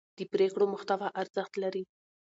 د پرېکړو محتوا ارزښت لري